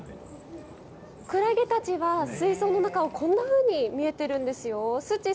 クラゲたちは水槽の中をこのように見えてるんですよ。